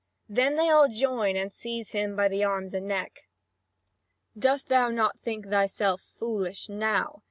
Then they all join and seize him by the arms and neck. "Dost thou not think thyself foolish now?"